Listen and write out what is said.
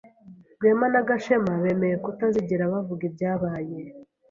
Rwema na Gashema bemeye kutazigera bavuga ibyabaye.